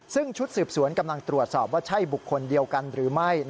ซึ่งชุดสืบสวนกำลังตรวจสอบว่าใช่บุคคลเดียวกันหรือไม่